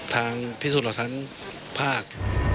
ทางพิสูจน์หลักฐานภาค